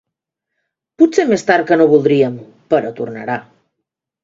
Potser més tard que no voldríem, però tornarà.